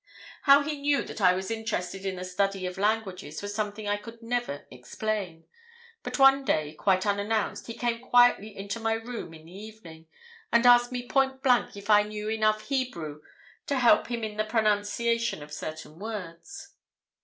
"How he knew that I was interested in the study of languages was something I could never explain, but one day, quite unannounced, he came quietly into my room in the evening and asked me point blank if I knew enough Hebrew to help him in the pronunciation of certain words.